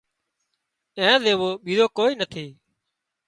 اين زيوو ٻيزو ڪوئي نٿِي